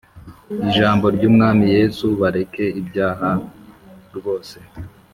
ijambo ry'umwami yesu, bareke ibyaha rwose.